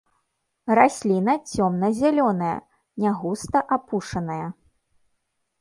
Расліна цёмна-зялёная, не густа апушаная.